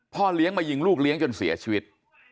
เลี้ยงมายิงลูกเลี้ยงจนเสียชีวิต